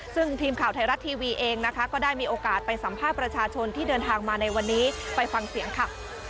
ซึ่งทีมข่าวไทยรัฐทีวีเองนะคะก็ได้มีโอกาสไปสัมภาษณ์ประชาชนที่เดินทางมาในวันนี้ไปฟังเสียงค่ะ